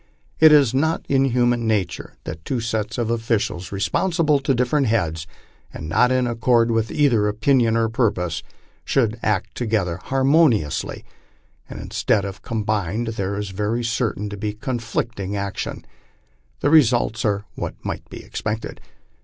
It is not in human nature that two sets of official*, responsible to different heads, and not in accord either in opinion or purpose, should act together, harmoniously ; and instead of combined, there is very certain to be conflicting action. The re sults are what might be expected.